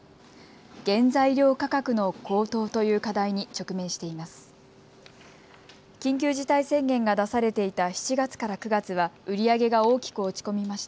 原材料価格の高騰という課題に直面しています。